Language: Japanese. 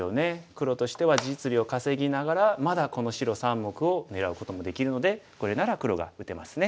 黒としては実利を稼ぎながらまだこの白３目を狙うこともできるのでこれなら黒が打てますね。